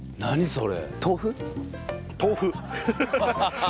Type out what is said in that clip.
それ。